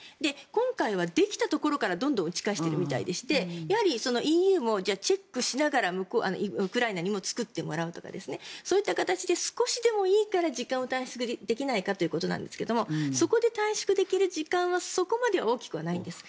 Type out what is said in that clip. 今回はできたところからどんどん打ち返してるみたいでしてやはりＥＵもチェックしながらウクライナにも作ってもらうとかそういった形で少しでもいいから時間を短縮できないかということなんですがそこで短縮できる時間はそこまで大きくないんです。